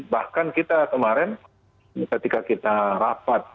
bahkan kita kemarin ketika kita rapat